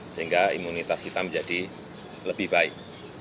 sehingga imunitas kita menjadi lebih baik